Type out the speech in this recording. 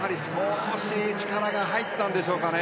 少し力が入ったんでしょうか。